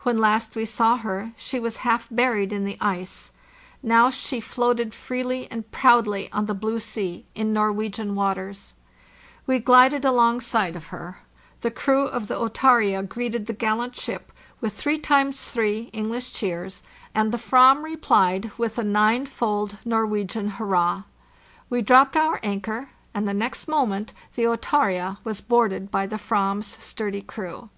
When last we saw her she was half buried in the ice; now she floated freely and proudly on the blue sea, in Norwegian waters. We glided alongside of her. The crew of the O¢arvza greeted the gallant ship with three times three English cheers, and the /ram THE " WINDWARD" LEAVING TROM SO THE JOURNEY SOUTHWARD 593 rephed with a ninefold Norwegian hurrah. We dropped our anchor, and the next moment the Ofarza was boarded by the /vam's sturdy crew.